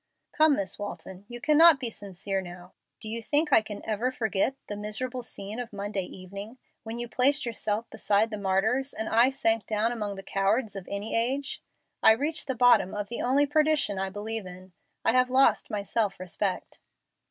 "Come, Miss Walton, you cannot be sincere now. Do you think I can ever forget the miserable scene of Monday evening, when you placed yourself beside the martyrs and I sank down among the cowards of any age? I reached the bottom of the only perdition I believe in. I have lost my self respect."